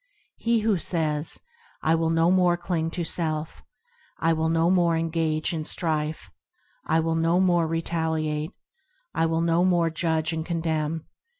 He who says,– I will no more cling to self ; I will no more engage in strife ; I will no more retaliate ; I will no more judge and condemn.